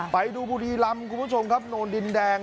ไปดูบุรีรำคุณผู้ชมครับโนนดินแดง